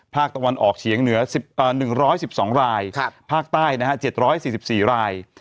ภาคตะวันออกเฉียงเหนือ๑๑๒รายภาคใต้๗๔๔ราย